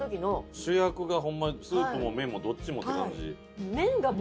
主役がホンマにスープも麺もどっちもって感じ。